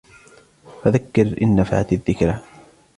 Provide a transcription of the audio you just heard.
فذكر إن نفعت الذكرى